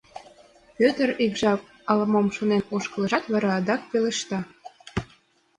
Пӧтыр ик жап ала-мом шонен ошкылешат, вара адак пелешта: